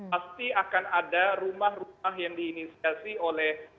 pasti akan ada rumah rumah yang diinisiasi oleh